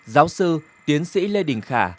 giáo sư tiến sĩ lê đình khả